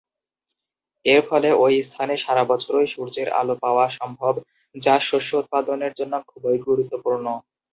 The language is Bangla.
এর ফলে ঐ স্থানে সারা বছরই সূর্যের আলো পাওয়া সম্ভব যা শস্য উৎপাদনের জন্য খুবই গুরুত্বপূর্ণ।